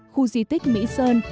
khu di tích mỹ sơn